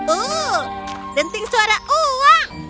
uh denting suara uang